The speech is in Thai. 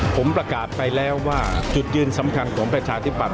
ผมประกาศไปแล้วว่าจุดยืนสำคัญของประชาธิปัต